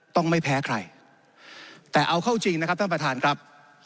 ไม่แพ้ใครแต่เอาเข้าจริงนะครับท่านประธานครับ